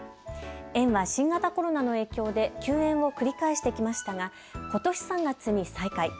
園は新型コロナの影響で休園を繰り返してきましたがことし３月に再開。